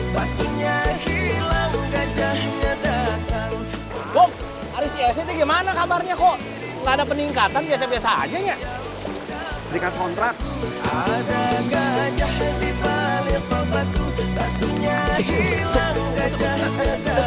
bok hari si eseti gimana kabarnya kok gak ada peningkatan biasa biasa aja ya